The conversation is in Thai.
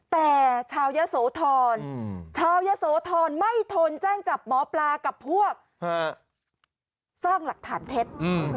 แต่ชาวยะโสธรชาวยะโสธรไม่ทนแจ้งจับหมอปลากับพวกสร้างหลักฐานเท็จ